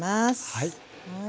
はい。